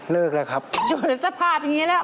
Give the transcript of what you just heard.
เลิกแล้วครับจนสภาพอย่างงี้แล้ว